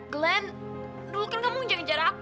glenn dulu kan kamu menjaga jarak aku